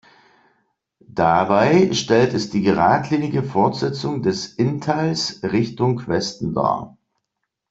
Dabei stellt es die geradlinige Fortsetzung des Inntals Richtung Westen dar.